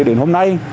đến hôm nay